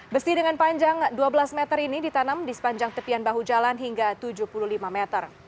besi dengan panjang dua belas meter ini ditanam di sepanjang tepian bahu jalan hingga tujuh puluh lima meter